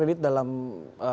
tapi setidaknya ada program